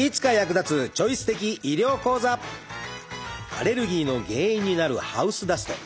アレルギーの原因になるハウスダスト。